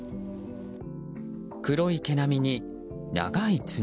黒い毛並みに、長い角。